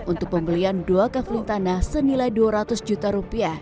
untuk pembelian dua kaveling tanah senilai dua ratus juta rupiah